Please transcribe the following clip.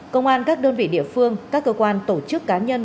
công an các đơn vị địa phương các cơ quan tổ chức cá nhân